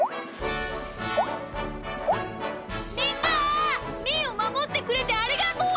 みんなみーをまもってくれてありがとう！